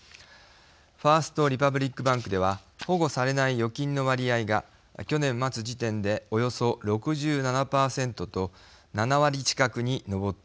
ファースト・リパブリック・バンクでは保護されない預金の割合が去年末時点でおよそ６７％と７割近くに上っていました。